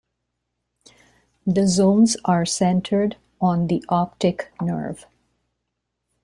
The zones are centered on the optic nerve.